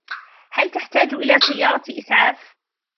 هل تحتاج إلى سيارة إسعاف ؟